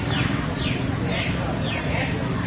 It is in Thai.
โปรดติดตามตอนต่อไป